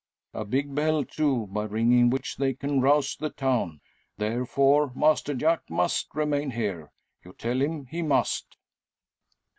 A big bell, too, by ringing which they can rouse the town. Therefore, master Jack must remain here. You tell him he must."